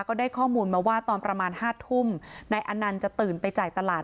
ก็ได้ข้อมูลมาว่าตอนประมาณห้าทุ่มนายอนันต์จะตื่นไปจ่ายตลาด